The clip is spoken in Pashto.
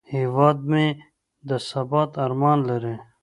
هیواد مې د ثبات ارمان لري